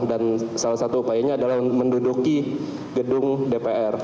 dan salah satu upayanya adalah menduduki gedung dpr